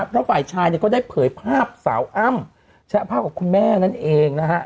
แล้วฝ่ายชายก็ได้เผยภาพสาวอ้ำแชะภาพกับคุณแม่นั่นเองนะฮะ